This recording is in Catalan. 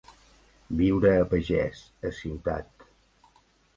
Viure a pagès, a ciutat.